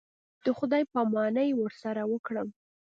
د خداى پاماني ورسره وكړم.